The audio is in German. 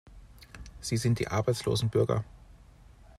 Sie sind die arbeitslosen Bürger.